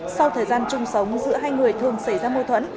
sau thời gian chung sống giữa hai người thường xảy ra mô thuẫn